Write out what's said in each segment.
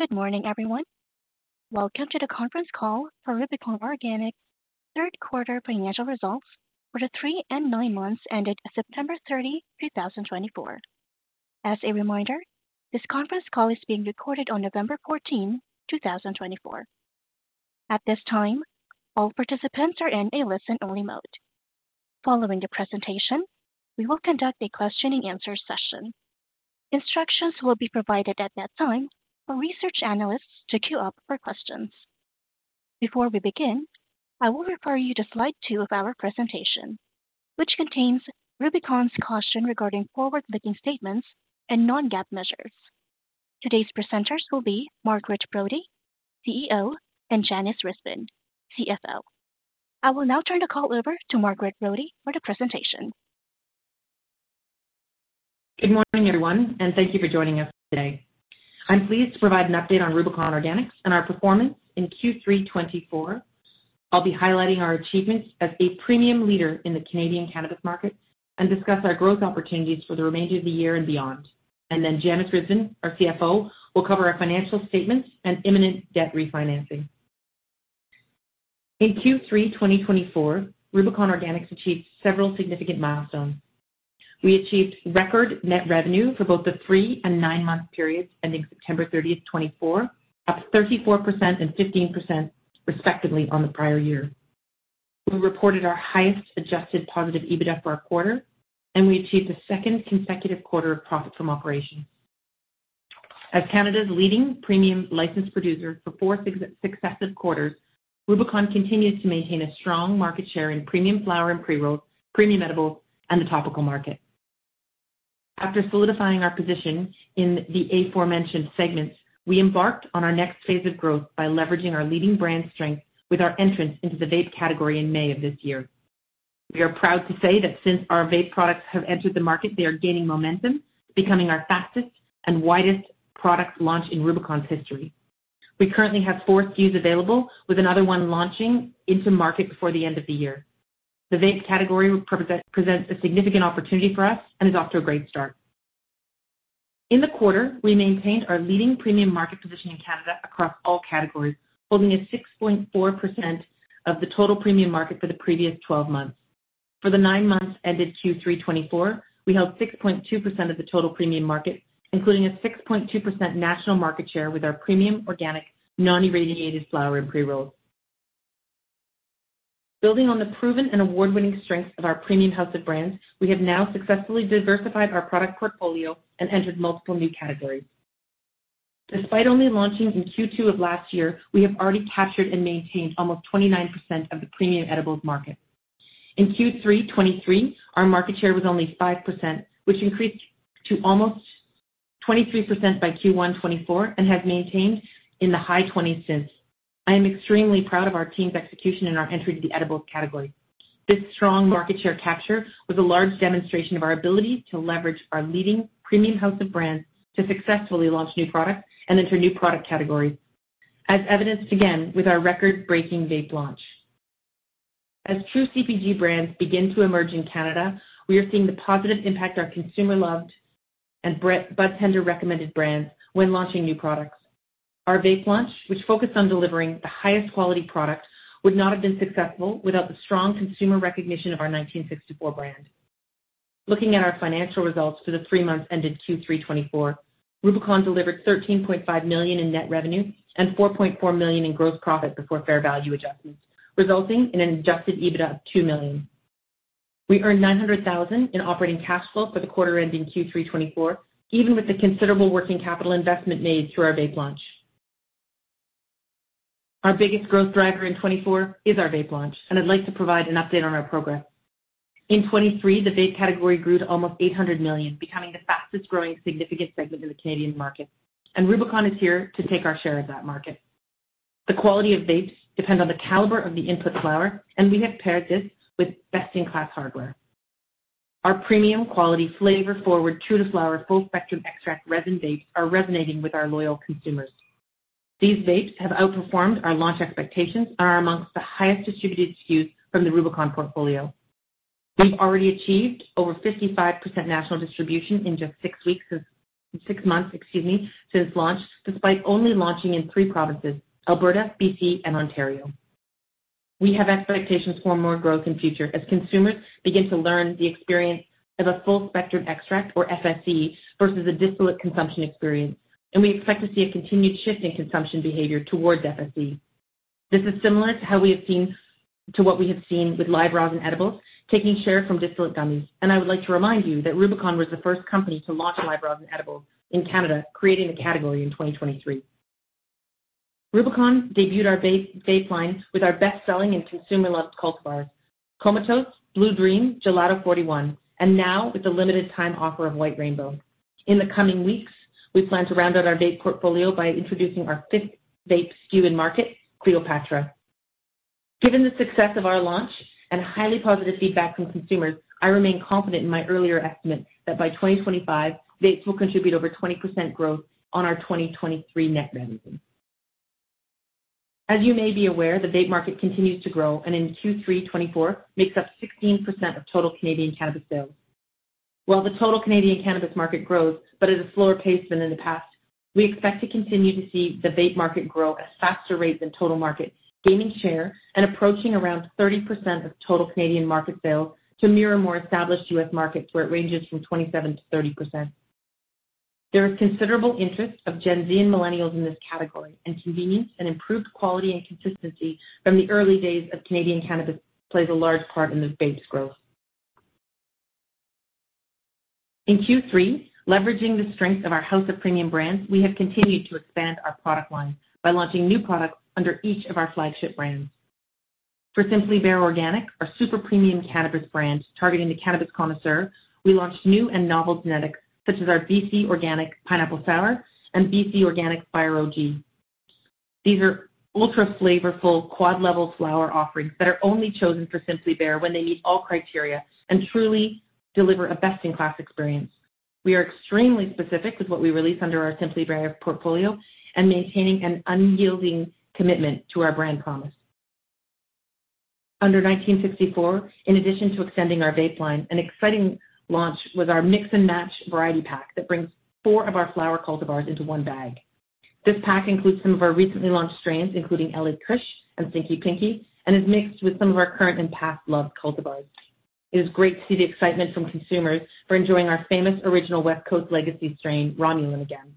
Good morning, everyone. Welcome to the conference call for Rubicon Organics' third-quarter financial results for the three and nine months ended September 30, 2024. As a reminder, this conference call is being recorded on November 14, 2024. At this time, all participants are in a listen-only mode. Following the presentation, we will conduct a question-and-answer session. Instructions will be provided at that time for research analysts to queue up for questions. Before we begin, I will refer you to slide two of our presentation, which contains Rubicon's caution regarding forward-looking statements and Non-GAAP measures. Today's presenters will be Margaret Brodie, CEO, and Janis Risbin, CFO. I will now turn the call over to Margaret Brodie for the presentation. Good morning, everyone, and thank you for joining us today. I'm pleased to provide an update on Rubicon Organics and our performance in Q3 2024. I'll be highlighting our achievements as a premium leader in the Canadian cannabis market and discuss our growth opportunities for the remainder of the year and beyond, and then Janis Risbin, our CFO, will cover our financial statements and imminent debt refinancing. In Q3 2024, Rubicon Organics achieved several significant milestones. We achieved record net revenue for both the three and nine-month periods ending September 30, 2024, up 34% and 15% respectively on the prior year. We reported our highest adjusted positive EBITDA for our quarter, and we achieved the second consecutive quarter of profit from operations. As Canada's leading premium Licensed Producer for four successive quarters, Rubicon continues to maintain a strong market share in premium flower and pre-rolls, premium edibles, and the topical market. After solidifying our position in the aforementioned segments, we embarked on our next phase of growth by leveraging our leading brand strength with our entrance into the vape category in May of this year. We are proud to say that since our vape products have entered the market, they are gaining momentum, becoming our fastest and widest product launch in Rubicon's history. We currently have four SKUs available, with another one launching into market before the end of the year. The vape category presents a significant opportunity for us and is off to a great start. In the quarter, we maintained our leading premium market position in Canada across all categories, holding a 6.4% of the total premium market for the previous 12 months. For the nine months ended Q3 2024, we held 6.2% of the total premium market, including a 6.2% national market share with our premium organic, non-irradiated flower and pre-rolls. Building on the proven and award-winning strengths of our premium house of brands, we have now successfully diversified our product portfolio and entered multiple new categories. Despite only launching in Q2 of last year, we have already captured and maintained almost 29% of the premium edibles market. In Q3 2023, our market share was only 5%, which increased to almost 23% by Q1 2024 and has maintained in the high 20s since. I am extremely proud of our team's execution in our entry to the edibles category. This strong market share capture was a large demonstration of our ability to leverage our leading premium house of brands to successfully launch new products and enter new product categories, as evidenced again with our record-breaking vape launch. As true CPG brands begin to emerge in Canada, we are seeing the positive impact our consumer-loved and bartender-recommended brands have when launching new products. Our vape launch, which focused on delivering the highest quality product, would not have been successful without the strong consumer recognition of our 1964 brand. Looking at our financial results for the three months ended Q3 2024, Rubicon delivered 13.5 million in net revenue and 4.4 million in gross profit before fair value adjustments, resulting in an Adjusted EBITDA of 2 million. We earned 900,000 in operating cash flow for the quarter ending Q3 2024, even with the considerable working capital investment made through our vape launch. Our biggest growth driver in 2024 is our vape launch, and I'd like to provide an update on our progress. In 2023, the vape category grew to almost 800 million, becoming the fastest-growing significant segment in the Canadian market, and Rubicon is here to take our share of that market. The quality of vapes depends on the caliber of the input flower, and we have paired this with best-in-class hardware. Our premium-quality flavor-forward, true-to-flower full-spectrum extract resin vapes are resonating with our loyal consumers. These vapes have outperformed our launch expectations and are amongst the highest distributed SKUs from the Rubicon portfolio. We've already achieved over 55% national distribution in just six months since launch, despite only launching in three provinces: Alberta, BC, and Ontario. We have expectations for more growth in the future as consumers begin to learn the experience of a full-spectrum extract, or FSE, versus a distillate consumption experience, and we expect to see a continued shift in consumption behavior towards FSE. This is similar to how we have seen with live rosin and edibles taking share from distillate gummies, and I would like to remind you that Rubicon was the first company to launch live rosin and edibles in Canada, creating the category in 2023. Rubicon debuted our vape line with our best-selling and consumer-loved cultivars: Comatose, Blue Dream, Gelato 41, and now with the limited-time offer of White Rainbow. In the coming weeks, we plan to round out our vape portfolio by introducing our fifth vape SKU in market, Cleopatra. Given the success of our launch and highly positive feedback from consumers, I remain confident in my earlier estimate that by 2025, vapes will contribute over 20% growth on our 2023 net revenue. As you may be aware, the vape market continues to grow and in Q3 2024 makes up 16% of total Canadian cannabis sales. While the total Canadian cannabis market grows but at a slower pace than in the past, we expect to continue to see the vape market grow at a faster rate than total market, gaining share and approaching around 30% of total Canadian market sales to mirror more established U.S. markets where it ranges from 27% to 30%. There is considerable interest of Gen Z and Millennials in this category, and convenience and improved quality and consistency from the early days of Canadian cannabis plays a large part in the vapes growth. In Q3, leveraging the strength of our house of premium brands, we have continued to expand our product line by launching new products under each of our flagship brands. For Simply Bare Organic, our super premium cannabis brand targeting the cannabis connoisseur, we launched new and novel genetics such as our BC Organic Pineapple Sour and BC Organic Fire OG. These are ultra-flavorful Quad-Level flower offerings that are only chosen for Simply Bare when they meet all criteria and truly deliver a best-in-class experience. We are extremely specific with what we release under our Simply Bare portfolio and maintaining an unyielding commitment to our brand promise. Under 1964, in addition to extending our vape line, an exciting launch was our mix-and-match variety pack that brings four of our flower cultivars into one bag. This pack includes some of our recently launched strains, including LA Kush Cake and Stinky Pinky, and is mixed with some of our current and past-loved cultivars. It is great to see the excitement from consumers for enjoying our famous original West Coast legacy strain, Romulan, again.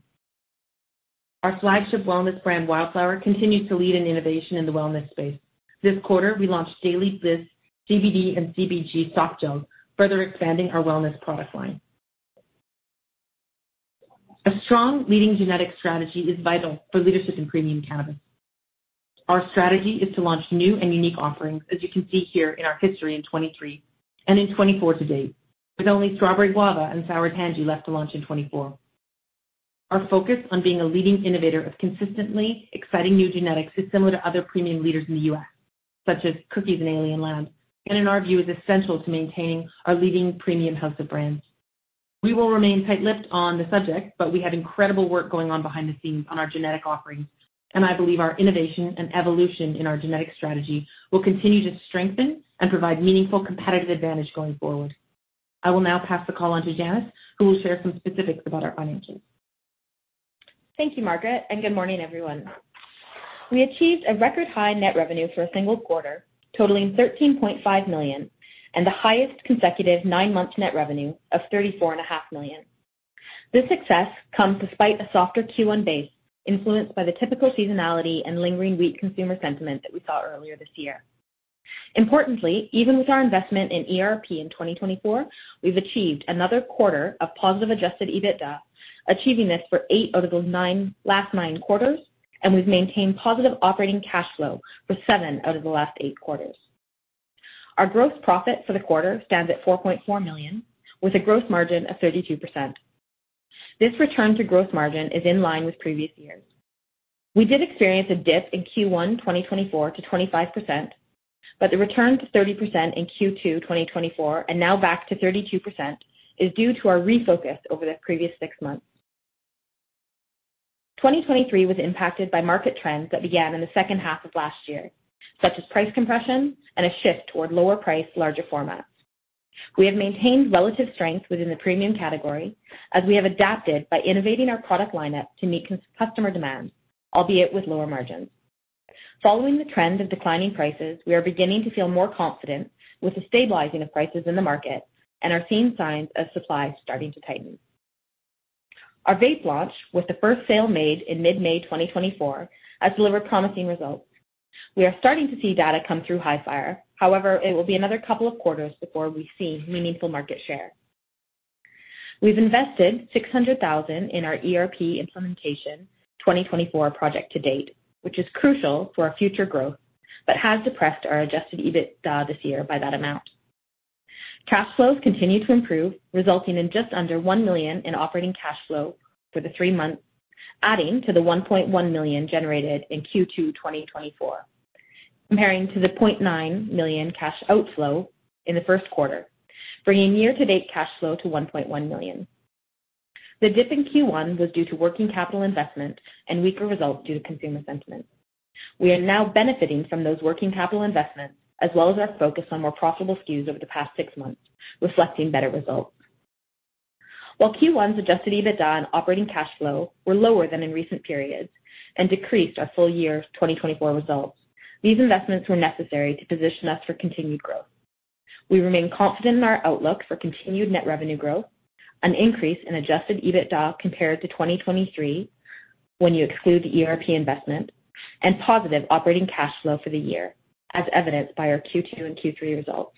Our flagship wellness brand, Wildflower, continues to lead in innovation in the wellness space. This quarter, we launched Daily Bliss CBD and CBG soft gels, further expanding our wellness product line. A strong leading genetic strategy is vital for leadership in premium cannabis. Our strategy is to launch new and unique offerings, as you can see here in our history in 2023 and in 2024 to date, with only Strawberry Guava and Sour Tangie left to launch in 2024. Our focus on being a leading innovator of consistently exciting new genetics is similar to other premium leaders in the U.S., such as Cookies and Alien Labs, and in our view, is essential to maintaining our leading premium house of brands. We will remain tight-lipped on the subject, but we have incredible work going on behind the scenes on our genetic offerings, and I believe our innovation and evolution in our genetic strategy will continue to strengthen and provide meaningful competitive advantage going forward. I will now pass the call on to Janis, who will share some specifics about our financials. Thank you, Margaret, and good morning, everyone. We achieved a record-high net revenue for a single quarter, totaling 13.5 million and the highest consecutive nine-month net revenue of 34.5 million. This success comes despite a softer Q1 base, influenced by the typical seasonality and lingering weak consumer sentiment that we saw earlier this year. Importantly, even with our investment in ERP in 2024, we've achieved another quarter of positive adjusted EBITDA, achieving this for eight out of the last nine quarters, and we've maintained positive operating cash flow for seven out of the last eight quarters. Our gross profit for the quarter stands at 4.4 million, with a gross margin of 32%. This return to gross margin is in line with previous years. We did experience a dip in Q1 2024 to 25%, but the return to 30% in Q2 2024 and now back to 32% is due to our refocus over the previous six months. 2023 was impacted by market trends that began in the second half of last year, such as price compression and a shift toward lower-priced, larger formats. We have maintained relative strength within the premium category as we have adapted by innovating our product lineup to meet customer demand, albeit with lower margins. Following the trend of declining prices, we are beginning to feel more confident with the stabilizing of prices in the market and are seeing signs of supply starting to tighten. Our vape launch, with the first sale made in mid-May 2024, has delivered promising results. We are starting to see data come through Hifyre. However, it will be another couple of quarters before we see meaningful market share. We've invested 600,000 in our ERP implementation 2024 project to date, which is crucial for our future growth but has depressed our Adjusted EBITDA this year by that amount. Cash flows continue to improve, resulting in just under 1 million in operating cash flow for the three months, adding to the 1.1 million generated in Q2 2024, comparing to the 0.9 million cash outflow in the first quarter, bringing year-to-date cash flow to 1.1 million. The dip in Q1 was due to working capital investment and weaker results due to consumer sentiment. We are now benefiting from those working capital investments as well as our focus on more profitable SKUs over the past six months, reflecting better results. While Q1's Adjusted EBITDA and operating cash flow were lower than in recent periods and decreased our full year 2024 results, these investments were necessary to position us for continued growth. We remain confident in our outlook for continued net revenue growth, an increase in Adjusted EBITDA compared to 2023 when you exclude the ERP investment, and positive operating cash flow for the year, as evidenced by our Q2 and Q3 results.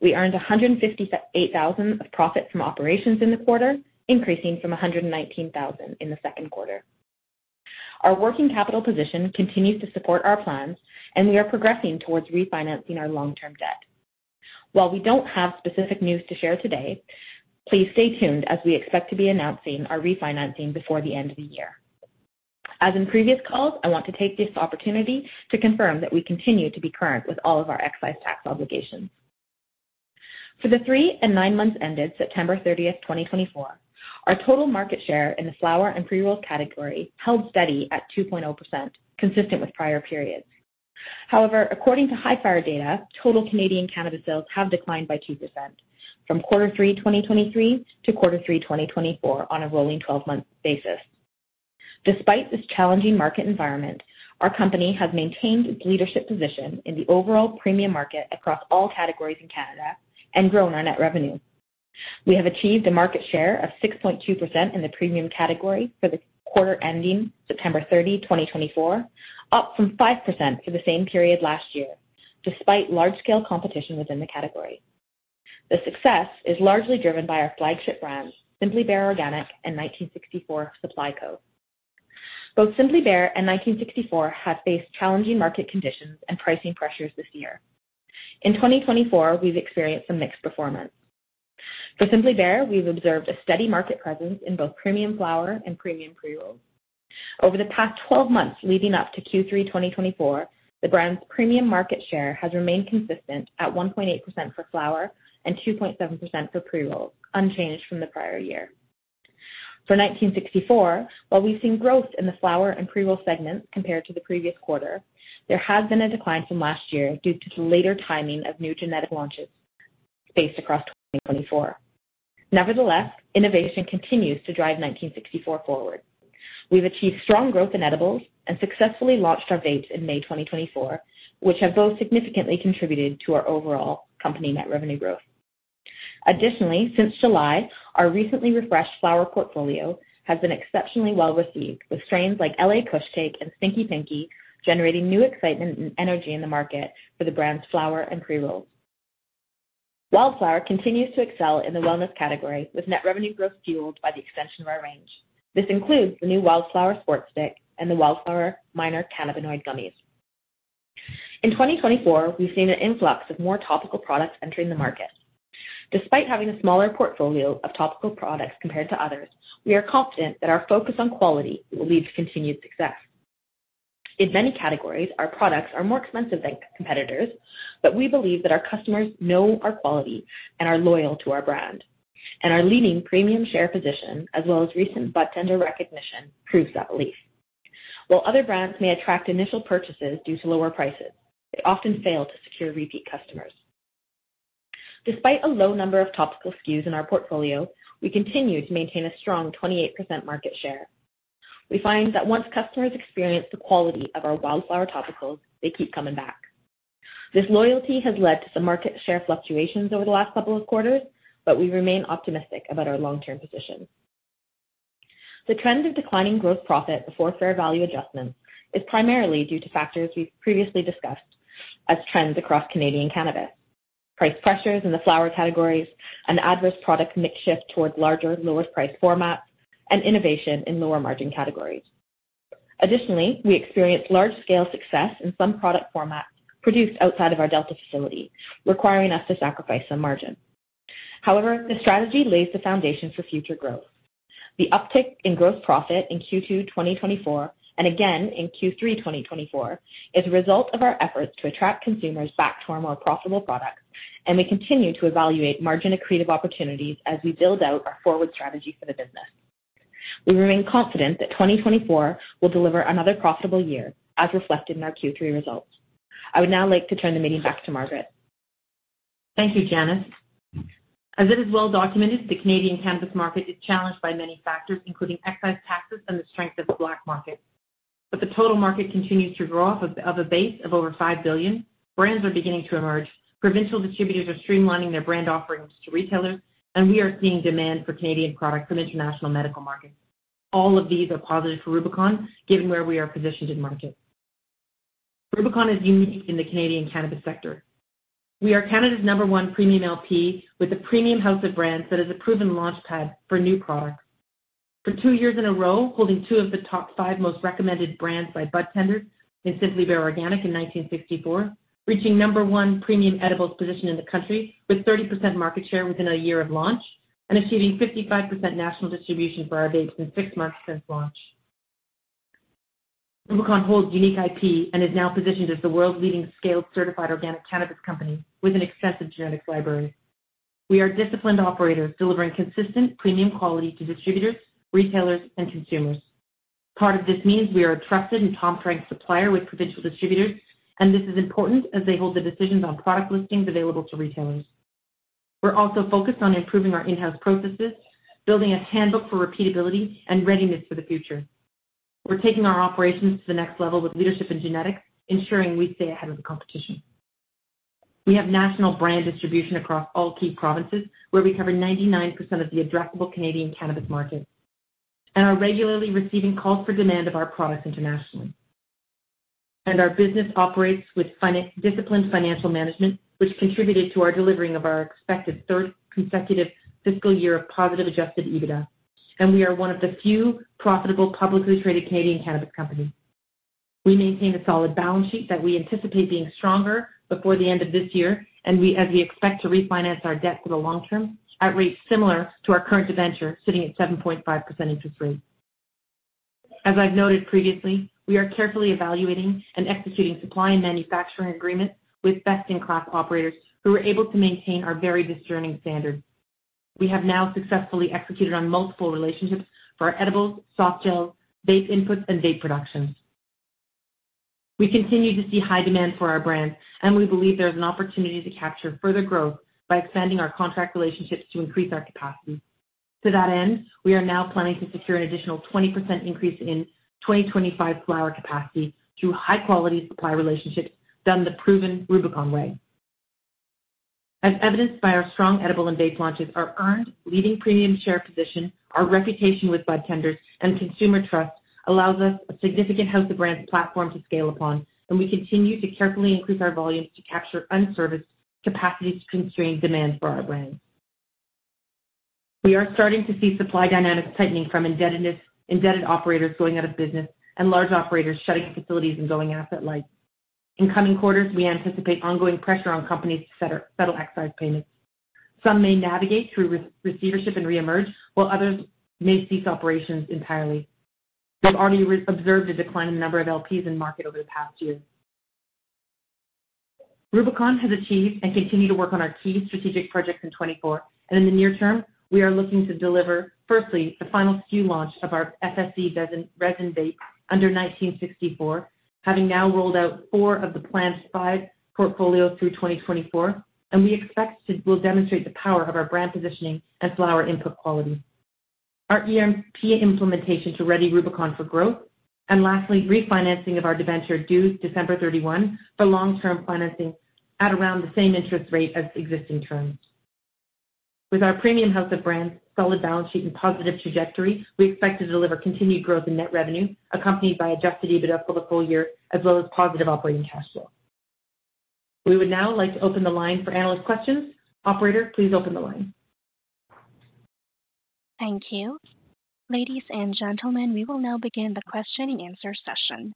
We earned 158,000 of profit from operations in the quarter, increasing from 119,000 in the second quarter. Our working capital position continues to support our plans, and we are progressing towards refinancing our long-term debt. While we don't have specific news to share today, please stay tuned as we expect to be announcing our refinancing before the end of the year. As in previous calls, I want to take this opportunity to confirm that we continue to be current with all of our excise tax obligations. For the three and nine months ended September 30, 2024, our total market share in the flower and pre-rolls category held steady at 2.0%, consistent with prior periods. However, according to Hifyre data, total Canadian cannabis sales have declined by 2% from Q3 2023 to Q3 2024 on a rolling 12-month basis. Despite this challenging market environment, our company has maintained its leadership position in the overall premium market across all categories in Canada and grown our net revenue. We have achieved a market share of 6.2% in the premium category for the quarter ending September 30, 2024, up from 5% for the same period last year, despite large-scale competition within the category. The success is largely driven by our flagship brand, Simply Bare Organic, and 1964 Supply Co. Both Simply Bare and 1964 have faced challenging market conditions and pricing pressures this year. In 2024, we've experienced some mixed performance. For Simply Bare, we've observed a steady market presence in both premium flower and premium pre-rolls. Over the past 12 months leading up to Q3 2024, the brand's premium market share has remained consistent at 1.8% for flower and 2.7% for pre-rolls, unchanged from the prior year. For 1964, while we've seen growth in the flower and pre-roll segments compared to the previous quarter, there has been a decline from last year due to the later timing of new genetic launches based across 2024. Nevertheless, innovation continues to drive 1964 forward. We've achieved strong growth in edibles and successfully launched our vapes in May 2024, which have both significantly contributed to our overall company net revenue growth. Additionally, since July, our recently refreshed flower portfolio has been exceptionally well received, with strains like LA Kush Cake and Stinky Pinky generating new excitement and energy in the market for the brand's flower and pre-rolls. Wildflower continues to excel in the wellness category with net revenue growth fueled by the extension of our range. This includes the new Wildflower Sport Stick and the Wildflower Minor Cannabinoid Gummies. In 2024, we've seen an influx of more topical products entering the market. Despite having a smaller portfolio of topical products compared to others, we are confident that our focus on quality will lead to continued success. In many categories, our products are more expensive than competitors, but we believe that our customers know our quality and are loyal to our brand, and our leading premium share position, as well as recent bartender recognition, proves that belief. While other brands may attract initial purchases due to lower prices, they often fail to secure repeat customers. Despite a low number of topical SKUs in our portfolio, we continue to maintain a strong 28% market share. We find that once customers experience the quality of our Wildflower topicals, they keep coming back. This loyalty has led to some market share fluctuations over the last couple of quarters, but we remain optimistic about our long-term position. The trend of declining gross profit before fair value adjustments is primarily due to factors we've previously discussed as trends across Canadian cannabis: price pressures in the flower categories, an adverse product mix shift towards larger, lower-priced formats, and innovation in lower-margin categories. Additionally, we experienced large-scale success in some product formats produced outside of our Delta facility, requiring us to sacrifice some margin. However, the strategy lays the foundation for future growth. The uptick in gross profit in Q2 2024 and again in Q3 2024 is a result of our efforts to attract consumers back to our more profitable products, and we continue to evaluate margin-accretive opportunities as we build out our forward strategy for the business. We remain confident that 2024 will deliver another profitable year, as reflected in our Q3 results. I would now like to turn the meeting back to Margaret. Thank you, Janis. As it is well documented, the Canadian cannabis market is challenged by many factors, including excise taxes and the strength of the black market. But the total market continues to grow off of a base of over 5 billion. Brands are beginning to emerge. Provincial distributors are streamlining their brand offerings to retailers, and we are seeing demand for Canadian products from international medical markets. All of these are positive for Rubicon, given where we are positioned in market. Rubicon is unique in the Canadian cannabis sector. We are Canada's number one premium LP with a premium house of brands that is a proven launchpad for new products. For two years in a row, holding two of the top five most recommended brands by budtenders in Simply Bare Organic and 1964, reaching number one premium edibles position in the country with 30% market share within a year of launch and achieving 55% national distribution for our vapes in six months since launch. Rubicon holds unique IP and is now positioned as the world's leading scaled certified organic cannabis company with an extensive genetics library. We are disciplined operators delivering consistent premium quality to distributors, retailers, and consumers. Part of this means we are a trusted and top-ranked supplier with provincial distributors, and this is important as they hold the decisions on product listings available to retailers. We're also focused on improving our in-house processes, building a handbook for repeatability and readiness for the future. We're taking our operations to the next level with leadership in genetics, ensuring we stay ahead of the competition. We have national brand distribution across all key provinces where we cover 99% of the addressable Canadian cannabis market and are regularly receiving calls for demand of our products internationally, and our business operates with disciplined financial management, which contributed to our delivering of our expected third consecutive fiscal year of positive adjusted EBITDA, and we are one of the few profitable publicly traded Canadian cannabis companies. We maintain a solid balance sheet that we anticipate being stronger before the end of this year, and as we expect to refinance our debt for the long term at rates similar to our current debenture, sitting at 7.5% interest rate. As I've noted previously, we are carefully evaluating and executing supply and manufacturing agreements with best-in-class operators who are able to maintain our very discerning standards. We have now successfully executed on multiple relationships for our edibles, soft gels, vape inputs, and vape productions. We continue to see high demand for our brand, and we believe there is an opportunity to capture further growth by expanding our contract relationships to increase our capacity. To that end, we are now planning to secure an additional 20% increase in 2025 flower capacity through high-quality supply relationships done the proven Rubicon way. As evidenced by our strong edible and vape launches that are earning leading premium share position, our reputation with budtenders and consumer trust allows us a significant house of brands platform to scale upon, and we continue to carefully increase our volumes to capture unserviced capacity to constrain demand for our brands. We are starting to see supply dynamics tightening from indebted operators going out of business and large operators shutting facilities and going asset light. In coming quarters, we anticipate ongoing pressure on companies to settle excise payments. Some may navigate through receivership and re-emerge, while others may cease operations entirely. We've already observed a decline in the number of LPs in market over the past year. Rubicon has achieved and continued to work on our key strategic projects in 2024, and in the near term, we are looking to deliver, firstly, the final SKU launch of our FSE resin vape under 1964, having now rolled out four of the planned five portfolios through 2024, and we expect to demonstrate the power of our brand positioning and flower input quality. Our ERP implementation to ready Rubicon for growth, and lastly, refinancing of our debenture due December 31, 2031 for long-term financing at around the same interest rate as existing terms. With our premium house of brands, solid balance sheet, and positive trajectory, we expect to deliver continued growth in net revenue, accompanied by adjusted EBITDA for the full year, as well as positive operating cash flow. We would now like to open the line for analyst questions. Operator, please open the line. Thank you. Ladies and gentlemen, we will now begin the question and answer session.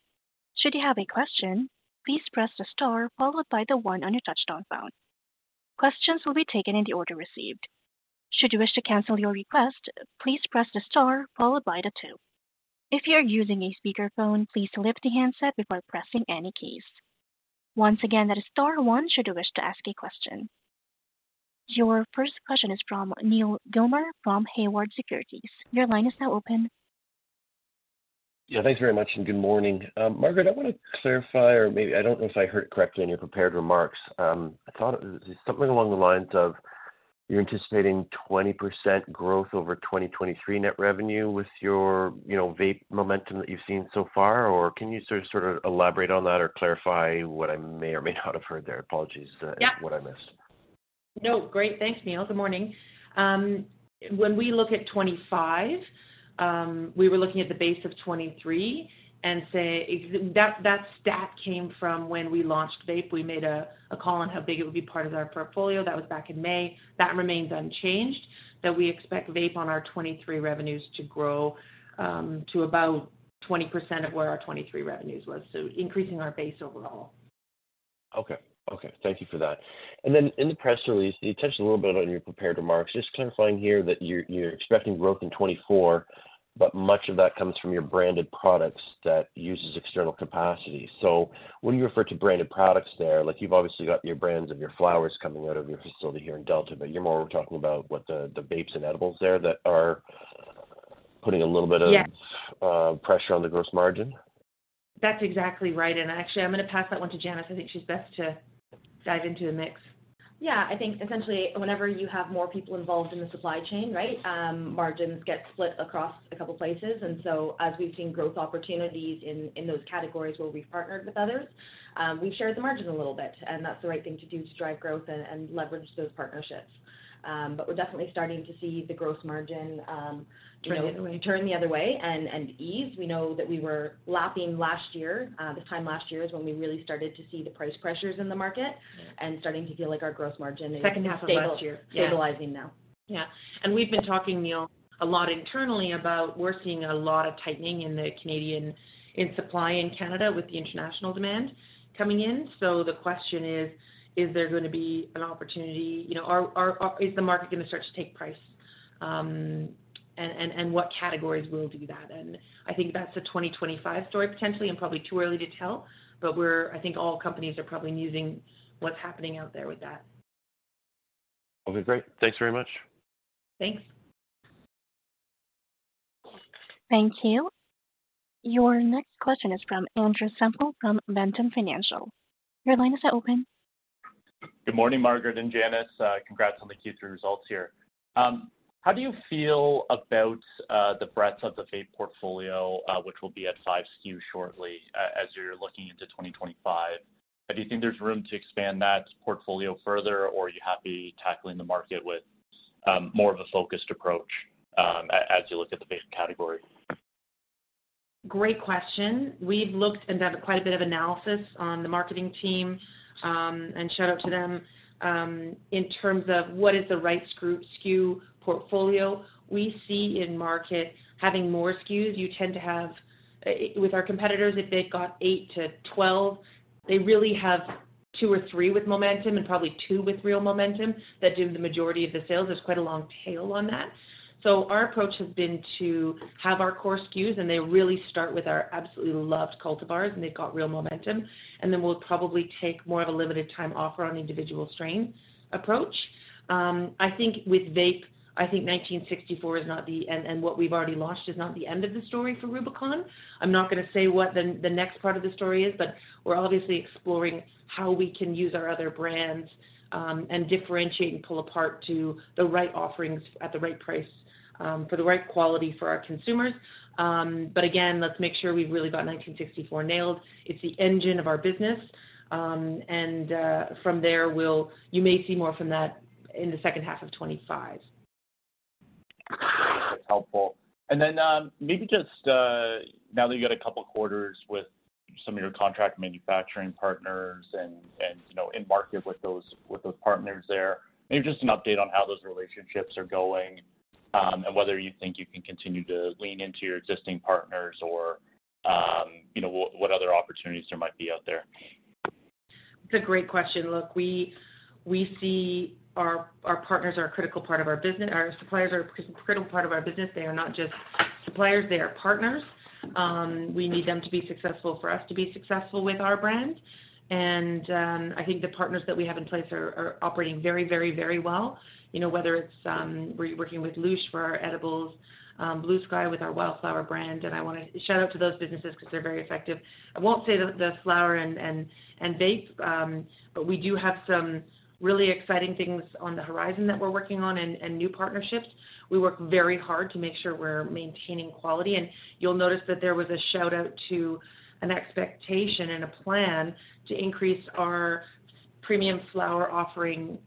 Should you have a question, please press the star followed by the one on your touch-tone phone. Questions will be taken in the order received. Should you wish to cancel your request, please press the star followed by the two. If you are using a speakerphone, please lift the handset before pressing any keys. Once again, that is star one should you wish to ask a question. Your first question is from Neal Gilmer from Haywood Securities. Your line is now open. Yeah, thanks very much and good morning. Margaret, I want to clarify, or maybe I don't know if I heard it correctly in your prepared remarks. I thought it was something along the lines of you're anticipating 20% growth over 2023 net revenue with your vape momentum that you've seen so far, or can you sort of elaborate on that or clarify what I may or may not have heard there? Apologies what I missed. No, great. Thanks, Neal. Good morning. When we look at 2025, we were looking at the base of 2023, and that stat came from when we launched vape. We made a call on how big it would be part of our portfolio. That was back in May. That remains unchanged, that we expect vape on our 2023 revenues to grow to about 20% of where our 2023 revenues was, so increasing our base overall. Okay. Okay. Thank you for that. And then in the press release, you touched a little bit on your prepared remarks. Just clarifying here that you're expecting growth in 2024, but much of that comes from your branded products that use external capacity. So when you refer to branded products there, you've obviously got your brands of your flowers coming out of your facility here in Delta, but you're more talking about what the vapes and edibles there that are putting a little bit of pressure on the gross margin? That's exactly right. And actually, I'm going to pass that one to Janis. I think she's best to dive into the mix. Yeah. I think essentially whenever you have more people involved in the supply chain, right, margins get split across a couple of places. And so as we've seen growth opportunities in those categories where we've partnered with others, we've shared the margin a little bit, and that's the right thing to do to drive growth and leverage those partnerships. But we're definitely starting to see the gross margin turn the other way and ease. We know that we were lapping last year. This time last year is when we really started to see the price pressures in the market and starting to feel like our gross margin is stabilizing now. Yeah. And we've been talking, Neal, a lot internally about we're seeing a lot of tightening in the Canadian supply in Canada with the international demand coming in. So the question is, is there going to be an opportunity? Is the market going to start to take price? And what categories will do that? And I think that's the 2025 story potentially, and probably too early to tell, but I think all companies are probably musing what's happening out there with that. Okay. Great. Thanks very much. Thanks. Thank you. Your next question is from Andrew Semple from Ventum Financial. Your line is now open. Good morning, Margaret and Janis. Congrats on the Q3 results here. How do you feel about the breadth of the vape portfolio, which will be at five SKUs shortly as you're looking into 2025? Do you think there's room to expand that portfolio further, or are you happy tackling the market with more of a focused approach as you look at the vape category? Great question. We've looked and done quite a bit of analysis on the marketing team, and shout out to them. In terms of what is the right SKU portfolio, we see in market having more SKUs. You tend to have with our competitors, if they've got eight to 12, they really have two or three with momentum and probably two with real momentum that do the majority of the sales. There's quite a long tail on that. So our approach has been to have our core SKUs, and they really start with our absolutely loved cultivars, and they've got real momentum, and then we'll probably take more of a limited-time offer on individual strain approach. I think with vape, I think 1964 is not the end, and what we've already launched is not the end of the story for Rubicon. I'm not going to say what the next part of the story is, but we're obviously exploring how we can use our other brands and differentiate and pull apart to the right offerings at the right price for the right quality for our consumers. But again, let's make sure we've really got 1964 nailed. It's the engine of our business. And from there, you may see more from that in the second half of 2025. That's helpful. And then maybe just now that you've got a couple of quarters with some of your contract manufacturing partners and in market with those partners there, maybe just an update on how those relationships are going and whether you think you can continue to lean into your existing partners or what other opportunities there might be out there. That's a great question. Look, we see our partners are a critical part of our business. Our suppliers are a critical part of our business. They are not just suppliers. They are partners. We need them to be successful for us to be successful with our brand. And I think the partners that we have in place are operating very, very, very well. Whether it's we're working with Loosh for our edibles, Blue Sky with our Wildflower brand, and I want to shout out to those businesses because they're very effective. I won't say the flower and vape, but we do have some really exciting things on the horizon that we're working on and new partnerships. We work very hard to make sure we're maintaining quality. And you'll notice that there was a shout out to an expectation and a plan to increase our premium flower offering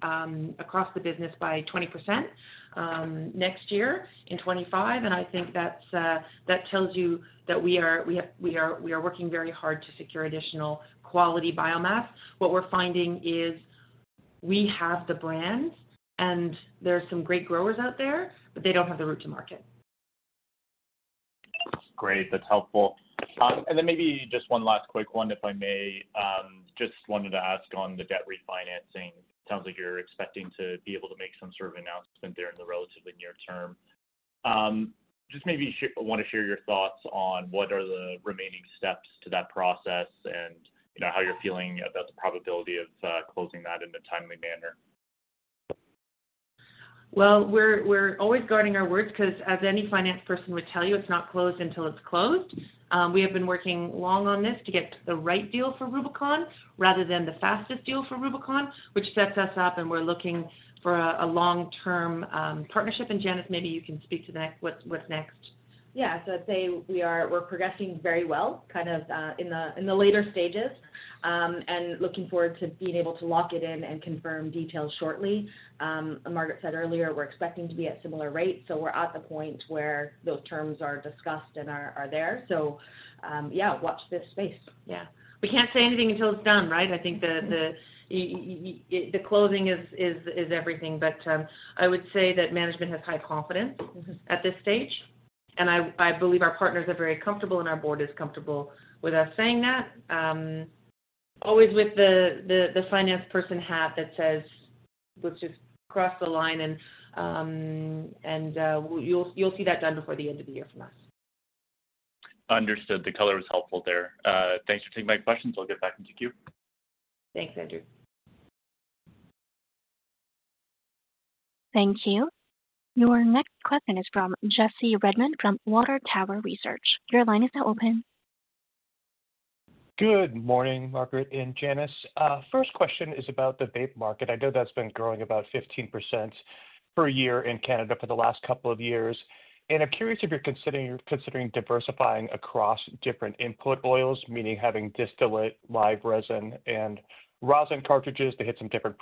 across the business by 20% next year in 2025. And I think that tells you that we are working very hard to secure additional quality biomass. What we're finding is we have the brands, and there are some great growers out there, but they don't have the route to market. Great. That's helpful. And then maybe just one last quick one, if I may. Just wanted to ask on the debt refinancing. It sounds like you're expecting to be able to make some sort of announcement there in the relatively near term. Just maybe want to share your thoughts on what are the remaining steps to that process and how you're feeling about the probability of closing that in a timely manner. We're always guarding our words because, as any finance person would tell you, it's not closed until it's closed. We have been working long on this to get the right deal for Rubicon rather than the fastest deal for Rubicon, which sets us up, and we're looking for a long-term partnership. Janis, maybe you can speak to what's next. Yeah. So I'd say we're progressing very well, kind of in the later stages, and looking forward to being able to lock it in and confirm details shortly. Margaret said earlier, we're expecting to be at similar rates. So we're at the point where those terms are discussed and are there. So yeah, watch this space. Yeah. We can't say anything until it's done, right? I think the closing is everything, but I would say that management has high confidence at this stage. And I believe our partners are very comfortable, and our board is comfortable with us saying that. Always with the finance person hat that says, "Let's just cross the line," and you'll see that done before the end of the year from us. Understood. The color was helpful there. Thanks for taking my questions. I'll get back into Q. Thanks, Andrew. Thank you. Your next question is from Jesse Redmond from Water Tower Research. Your line is now open. Good morning, Margaret and Janis. First question is about the vape market. I know that's been growing about 15% per year in Canada for the last couple of years. And I'm curious if you're considering diversifying across different input oils, meaning having distillate, live resin, and rosin cartridges to hit some different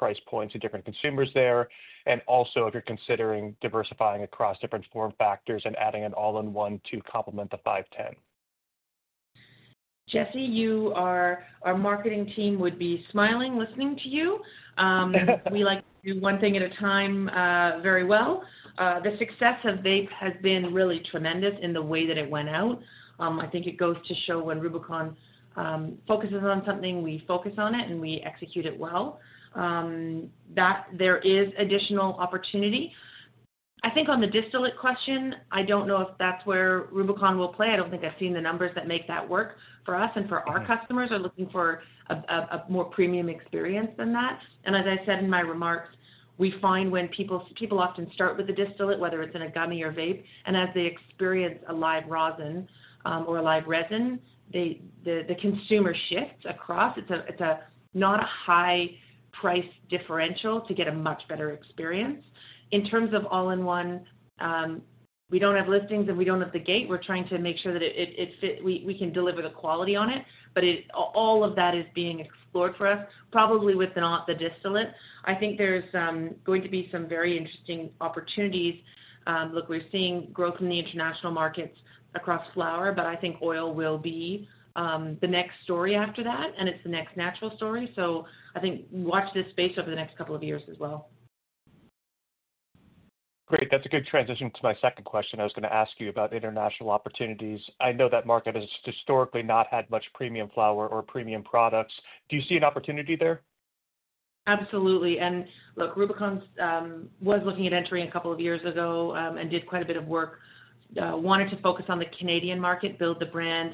price points and different consumers there. And also, if you're considering diversifying across different form factors and adding an all-in-one to complement the 510? Jesse, our marketing team would be smiling listening to you. We like to do one thing at a time very well. The success of vape has been really tremendous in the way that it went out. I think it goes to show when Rubicon focuses on something, we focus on it, and we execute it well. There is additional opportunity. I think on the distillate question, I don't know if that's where Rubicon will play. I don't think I've seen the numbers that make that work for us, and our customers are looking for a more premium experience than that. As I said in my remarks, we find when people often start with the distillate, whether it's in a gummy or vape, and as they experience a live rosin or a live resin, the consumer shifts across. It's not a high-priced differential to get a much better experience. In terms of all-in-one, we don't have listings, and we don't have the gate. We're trying to make sure that we can deliver the quality on it, but all of that is being explored for us, probably with the distillate. I think there's going to be some very interesting opportunities. Look, we're seeing growth in the international markets across flower, but I think oil will be the next story after that, and it's the next natural story, so I think watch this space over the next couple of years as well. Great. That's a good transition to my second question. I was going to ask you about international opportunities. I know that market has historically not had much premium flower or premium products. Do you see an opportunity there? Absolutely, and look, Rubicon was looking at entering a couple of years ago and did quite a bit of work. Wanted to focus on the Canadian market, build the brand,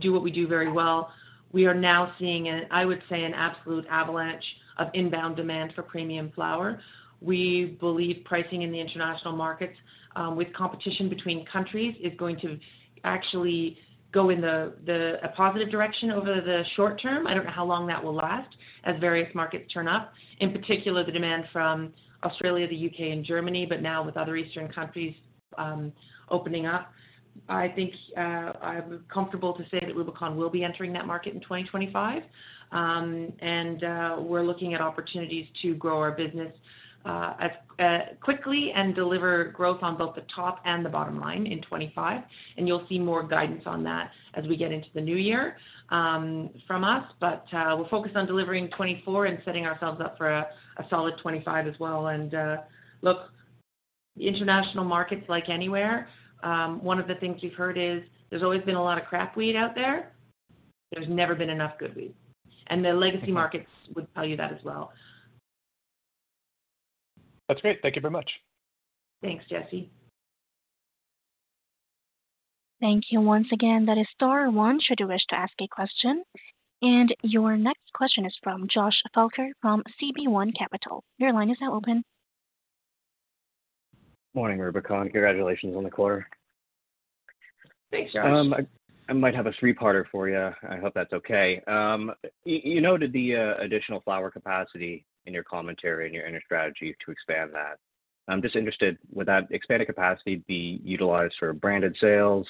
do what we do very well. We are now seeing, I would say, an absolute avalanche of inbound demand for premium flower. We believe pricing in the international markets with competition between countries is going to actually go in a positive direction over the short term. I don't know how long that will last as various markets turn up, in particular the demand from Australia, the U.K., and Germany, but now with other Eastern countries opening up. I think I'm comfortable to say that Rubicon will be entering that market in 2025. And we're looking at opportunities to grow our business quickly and deliver growth on both the top and the bottom line in 2025. And you'll see more guidance on that as we get into the new year from us. But we're focused on delivering 2024 and setting ourselves up for a solid 2025 as well. And look, international markets like anywhere, one of the things you've heard is there's always been a lot of crap weed out there. There's never been enough good weed. And the legacy markets would tell you that as well. That's great. Thank you very much. Thanks, Jesse. Thank you once again. That is star one. Should you wish to ask a question? And your next question is from Josh Felker from CB1 Capital. Your line is now open. Morning, Rubicon. Congratulations on the quarter. Thanks, Josh. I might have a three-parter for you. I hope that's okay. You noted the additional flower capacity in your commentary and in your strategy to expand that. I'm just interested, would that expanded capacity be utilized for branded sales,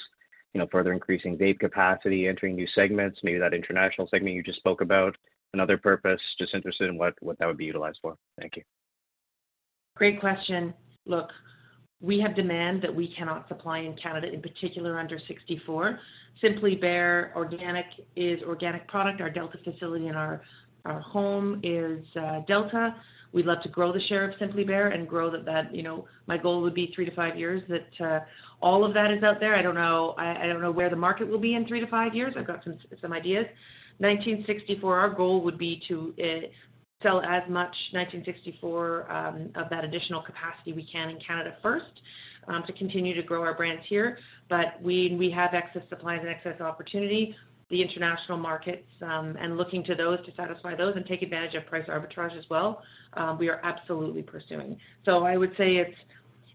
further increasing vape capacity, entering new segments, maybe that international segment you just spoke about, another purpose? Just interested in what that would be utilized for. Thank you. Great question. Look, we have demand that we cannot supply in Canada, in particular under 1964. Simply Bare Organic is organic product. Our Delta facility in our home is Delta. We'd love to grow the share of Simply Bare and grow that. My goal would be three to five years that all of that is out there. I don't know where the market will be in three to five years. I've got some ideas. 1964, our goal would be to sell as much 1964 of that additional capacity we can in Canada first to continue to grow our brands here. But we have excess supplies and excess opportunity. The international markets, and looking to those to satisfy those and take advantage of price arbitrage as well, we are absolutely pursuing. So I would say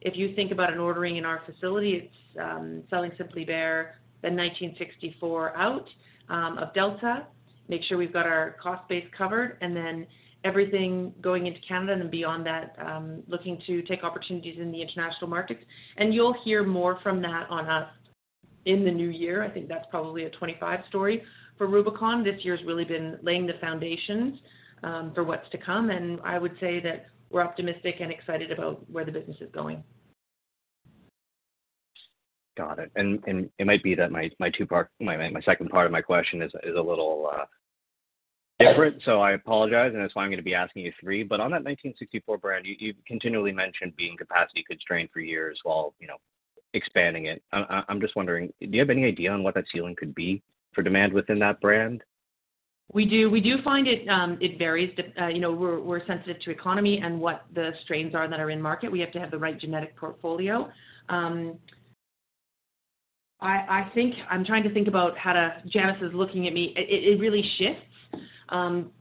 if you think about an ordering in our facility, it's selling Simply Bare, then 1964 out of Delta, make sure we've got our cost base covered, and then everything going into Canada and beyond that, looking to take opportunities in the international markets. And you'll hear more from that on us in the new year. I think that's probably a 2025 story for Rubicon. This year has really been laying the foundations for what's to come. And I would say that we're optimistic and excited about where the business is going. Got it. And it might be that my second part of my question is a little different, so I apologize. And that's why I'm going to be asking you three. But on that 1964 brand, you've continually mentioned being capacity constrained for years while expanding it. I'm just wondering, do you have any idea on what that ceiling could be for demand within that brand? We do. We do find it varies. We're sensitive to economy and what the strains are that are in market. We have to have the right genetic portfolio. I'm trying to think about how to. Janis is looking at me. It really shifts.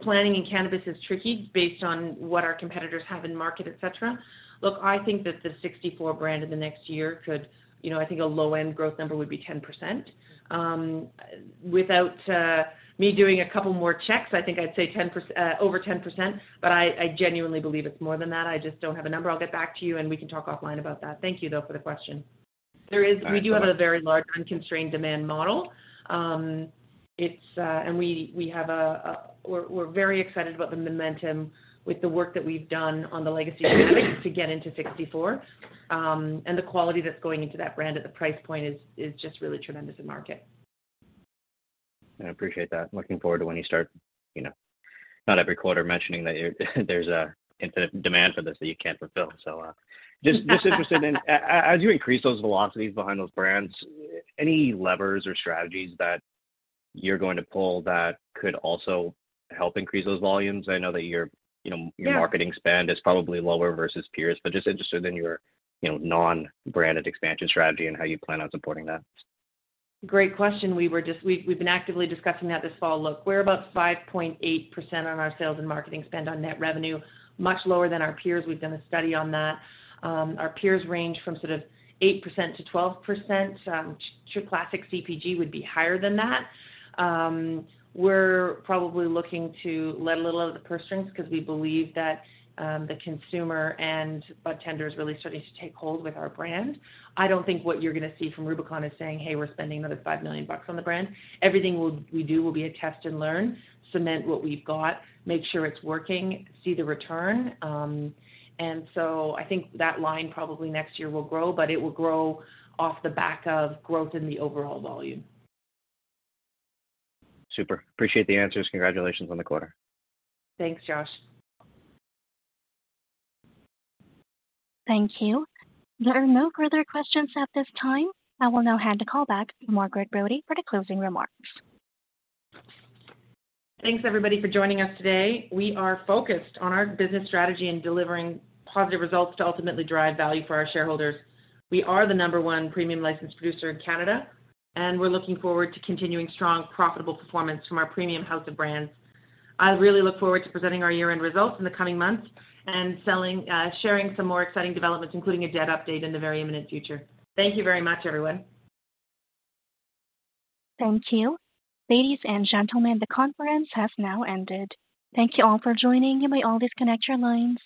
Planning in cannabis is tricky based on what our competitors have in market, etc. Look, I think that the '64 brand in the next year could. I think a low-end growth number would be 10%. Without me doing a couple more checks, I think I'd say over 10%, but I genuinely believe it's more than that. I just don't have a number. I'll get back to you, and we can talk offline about that. Thank you, though, for the question. There is. We do have a very large unconstrained demand model. We're very excited about the momentum with the work that we've done on the legacy cannabis to get into '64. And the quality that's going into that brand at the price point is just really tremendous in market. I appreciate that. Looking forward to when you start not every quarter mentioning that there's a demand for this that you can't fulfill. So just interested in, as you increase those velocities behind those brands, any levers or strategies that you're going to pull that could also help increase those volumes? I know that your marketing spend is probably lower versus peers, but just interested in your non-branded expansion strategy and how you plan on supporting that. Great question. We've been actively discussing that this fall. Look, we're about 5.8% on our sales and marketing spend on net revenue, much lower than our peers. We've done a study on that. Our peers range from sort of 8%-12%. Classic CPG would be higher than that. We're probably looking to let a little of the purse strings because we believe that the consumer and budtenders are really starting to take hold with our brand. I don't think what you're going to see from Rubicon is saying, "Hey, we're spending another 5 million bucks on the brand." Everything we do will be a test and learn, cement what we've got, make sure it's working, see the return, and so I think that line probably next year will grow, but it will grow off the back of growth in the overall volume. Super. Appreciate the answers. Congratulations on the quarter. Thanks, Josh. Thank you. There are no further questions at this time. I will now hand the call back to Margaret Brodie for the closing remarks. Thanks, everybody, for joining us today. We are focused on our business strategy and delivering positive results to ultimately drive value for our shareholders. We are the number one premium licensed producer in Canada, and we're looking forward to continuing strong, profitable performance from our premium house of brands. I really look forward to presenting our year-end results in the coming months and sharing some more exciting developments, including a debt update in the very imminent future. Thank you very much, everyone. Thank you. Ladies and gentlemen, the conference has now ended. Thank you all for joining. You may now disconnect your lines.